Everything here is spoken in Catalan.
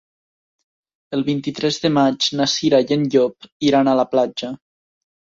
El vint-i-tres de maig na Cira i en Llop iran a la platja.